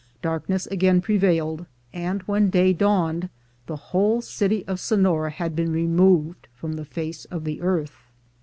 Darkness again prevailed, and when day dawned, the whole city of Sonora had been removed from the face of the earth.